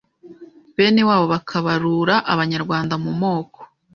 bene wabo bakabarura abanyarwanda mu moko